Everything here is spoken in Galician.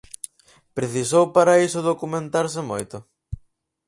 Precisou para iso documentarse moito?